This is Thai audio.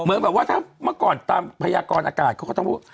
เหมือนแบบว่าถ้าเมื่อก่อนตามพยากรอากาศเขาก็ต้องพูด